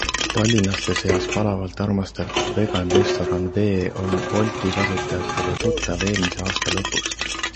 Tallinlaste seas palavalt armastatud Vegan Restoran V on Wolti kasutajatele tuttav eelmise aasta lõpust.